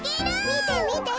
みてみて。